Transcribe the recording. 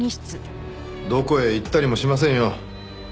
どこへ行ったりもしませんよ。